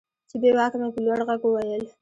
چې بېواكه مې په لوړ ږغ وويل.